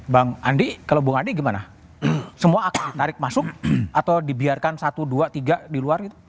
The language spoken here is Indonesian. bang andi kalau bung adi gimana semua akan ditarik masuk atau dibiarkan satu dua tiga di luar gitu